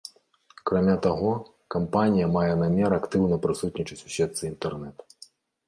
Акрамя таго, кампанія мае намер актыўна прысутнічаць у сетцы інтэрнэт.